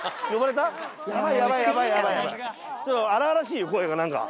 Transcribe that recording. ちょっと荒々しいよ声が何か。